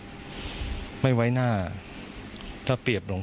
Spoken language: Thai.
ก็ไม่ได้คิดอะไรมาก